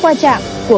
của cả hai nhà